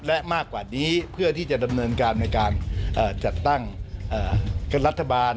และมากกว่านี้เพื่อที่จะดำเนินการในการจัดตั้งรัฐบาล